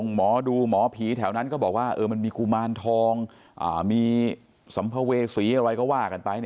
หมอดูหมอผีแถวนั้นก็บอกว่ามันมีกุมารทองมีสัมภเวษีอะไรก็ว่ากันไป